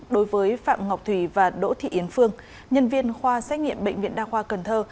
đối với phạm ngọc thủy và đỗ thị yến phương nhân viên khoa xét nghiệm bệnh viện đa khoa cần thơ